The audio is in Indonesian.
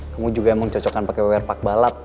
kamu juga emang cocokan pakai wear park balap